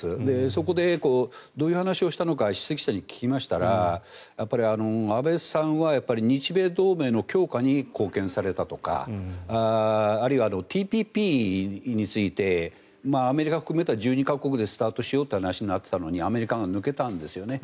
そこでどういう話をしたのか出席者に聞きましたら安倍さんは日米同盟の強化に貢献されたとかあるいはＴＰＰについてアメリカを含めた１２か国でスタートしようという話になっていたのにアメリカが抜けたんですよね。